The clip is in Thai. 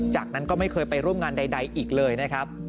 จากนั้นก็ไม่เคยไปร่วมงานใดอีกเลยนะครับ